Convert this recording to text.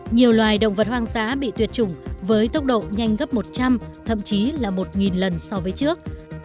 nhiều loài động vật hoang dã bị tuyệt chủng với tốc độ nhanh gấp một trăm linh thậm chí là một lần so với trước